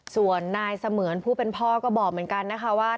ส่วนนายเสมือนผู้เป็นพ่อก็บอกเหมือนกันนะคะว่า